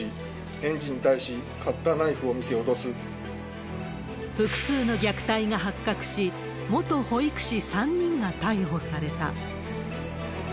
園児に対し、複数の虐待が発覚し、元保育士３人が逮捕された。